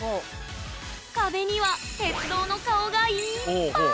壁には鉄道の顔がいっぱい！